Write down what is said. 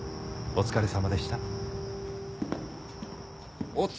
お疲れさまでしたっ！